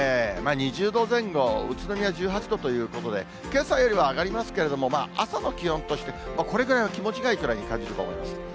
２０度前後、宇都宮１８度ということで、けさよりは上がりますけれども、朝の気温として、これぐらいは気持ちがいいくらいに感じると思います。